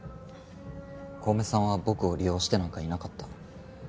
小梅さんは僕を利用してなんかいなかった。